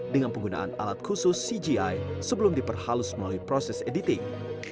dengan penggunaan alat khusus cgi sebelum diperhalus melalui proses editing